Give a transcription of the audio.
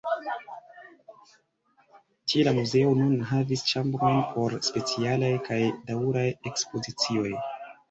Tie la muzeo nun havis ĉambrojn por specialaj kaj daŭraj ekspozicioj.